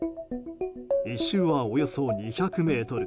１周は、およそ２００ｍ。